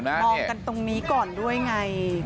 แถวแจกการทันมีก่อนด้วยไง